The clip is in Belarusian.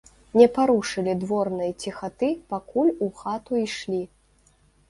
Не парушылі дворнай ціхаты, пакуль у хату ішлі.